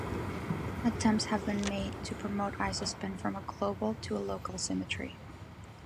Attempts have been made to promote isospin from a global to a local symmetry.